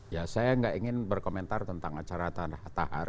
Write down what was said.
ya saya tidak ingin berkomentar tentang acara tahan tahar